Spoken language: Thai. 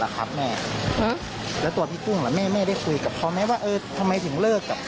เขาก็ยังไม่ได้กลุ่มครอบครัวใช่ไหมคะ